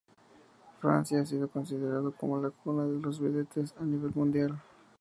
Francia ha sido considerado como la cuna de las vedettes a nivel mundial.